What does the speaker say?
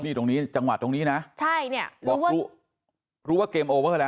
นี่ตรงนี้จังหวะตรงนี้นะรู้ว่าเกมโอเวอร์แล้ว